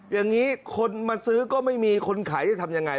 อย่างนี้คนมาซื้อก็ไม่มีคนขายจะทำยังไง